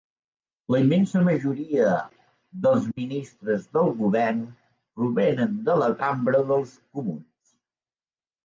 La immensa majoria dels ministres del Govern provenen de la Cambra dels Comuns.